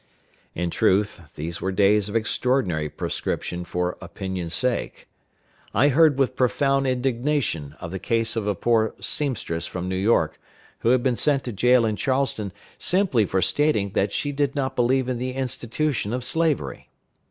In truth, these were days of extraordinary proscription for opinion's sake. I heard with profound indignation of the case of a poor seamstress from New York, who had been sent to jail in Charleston simply for stating that she did not believe in the institution of slavery.